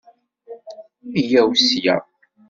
Yya-w ssya.